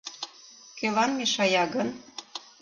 Кӧлан мешая гын?..